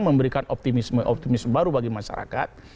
memberikan optimisme optimis baru bagi masyarakat